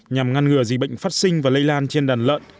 nhằm ngăn ngừa dịch bệnh phát sinh và lây lan trên đàn lợn